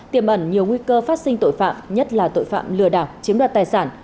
tiềm ẩn nhiều nguy cơ phát sinh tội phạm nhất là tội phạm lừa đảo chiếm đoạt tài sản